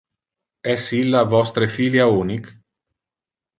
Es illa vostre filia unic?